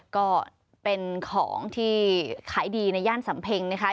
ก็เป็นของที่ขายดีในย่านสำเพ็งนะคะ